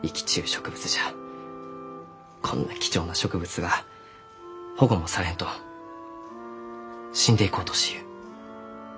こんな貴重な植物が保護もされんと死んでいこうとしゆう。